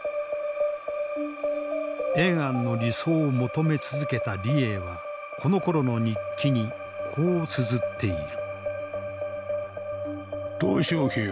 延安の理想を求め続けた李鋭はこのころの日記にこうつづっている。